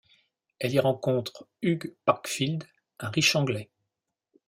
Elle y rencontre Hugh Parkfield, un riche Anglais.